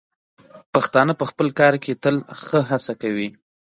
پښتانه په خپل کار کې تل ښه هڅه کوي.